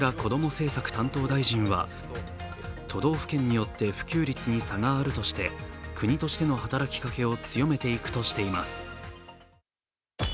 政策担当大臣は、都道府県によって普及率に差があるとして国としての働きかけを強めていくとしています。